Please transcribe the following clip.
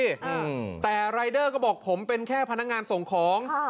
อืมแต่รายเดอร์ก็บอกผมเป็นแค่พนักงานส่งของค่ะ